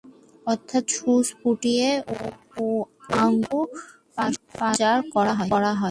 অর্থাৎ সুচ ফুটিয়েই আকুপাঙ্কচার করা হয়।